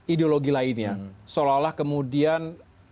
ideologi lainnya seolah olah kemudian